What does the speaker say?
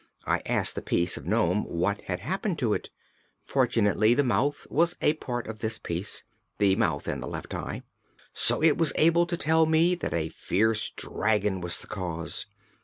I asked the piece of nome what had happened to it. Fortunately the mouth was a part of this piece the mouth and the left eye so it was able to tell me that a fierce dragon was the cause.